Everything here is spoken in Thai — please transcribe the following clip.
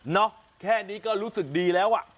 แค่นี้ก็รู้สึกดีแล้วอ่ะ